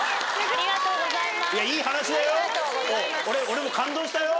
ありがとうございます。